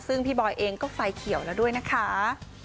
ซึ่งพี่บอยเองก็ไฟเขียวแล้วด้วยนะคะ